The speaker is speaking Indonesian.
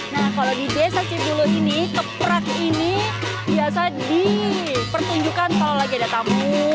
nah kalau di desa cibulu ini keprak ini biasa dipertunjukkan kalau lagi ada tamu